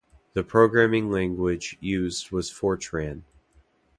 The programming language used was Fortran.